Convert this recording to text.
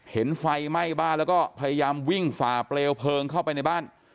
เห็นไฟไหม้บ้านแล้วก็พยายามวิ่งฝ่าเปลวเพลิงเข้าไปในบ้าน